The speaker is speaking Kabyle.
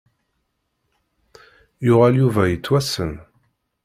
Yuɣal Yuba yettwassen.